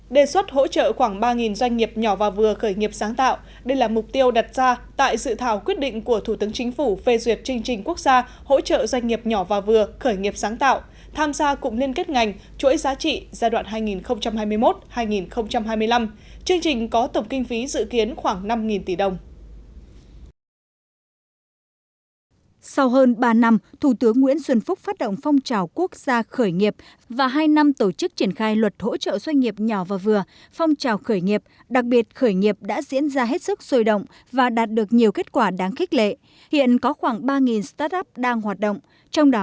đề xuất hỗ trợ khoảng ba doanh nghiệp nhỏ và vừa khởi nghiệp sáng tạo đây là mục tiêu đặt ra tại sự thảo quyết định của thủ tướng chính phủ phê duyệt chương trình quốc gia hỗ trợ doanh nghiệp nhỏ và vừa khởi nghiệp sáng tạo tham gia cùng liên kết ngành chuỗi giá trị giai đoạn hai nghìn hai mươi một hai nghìn hai mươi năm chương trình có tổng kinh phí dự kiến khoảng năm tỷ đồng